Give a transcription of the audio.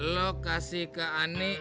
lo kasih ke ani